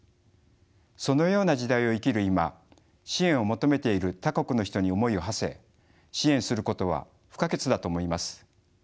そのような時代を生きる今支援を求めている他国の人に思いをはせ支援することは不可欠だと思います。